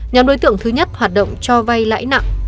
nhóm đối tượng thứ nhất hoạt động cho vay lãi nặng